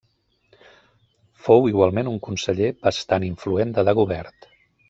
Fou igualment un conseller bastant influent de Dagobert.